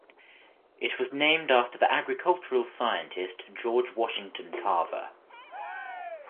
It was named after the agricultural scientist George Washington Carver.